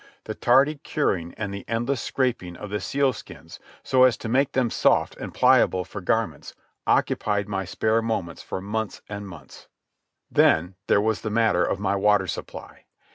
The tardy curing and the endless scraping of the sealskins, so as to make them soft and pliable for garments, occupied my spare moments for months and months. Then there was the matter of my water supply.